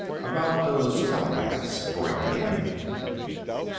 "About those telepaths " Boyd began.